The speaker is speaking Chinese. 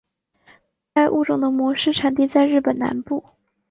该物种的模式产地在日本南部。